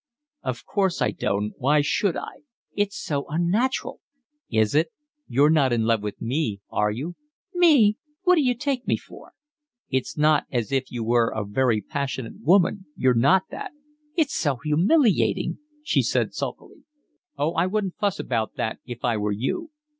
"Of course I don't. Why should I?" "It's so unnatural." "Is it? You're not in love with me, are you?" "Me? Who d'you take me for?" "It's not as if you were a very passionate woman, you're not that." "It's so humiliating," she said sulkily. "Oh, I wouldn't fuss about that if I were you."